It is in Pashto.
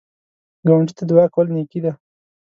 ګاونډي ته دعا کول نیکی ده